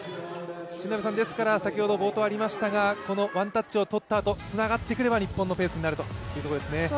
冒頭にありましたが、ワンタッチを取ったあとつながってくれば日本のペースになるというところですね。